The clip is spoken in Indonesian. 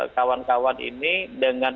kawan kawan ini dengan